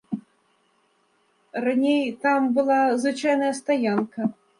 Раней там была звычайная стаянка.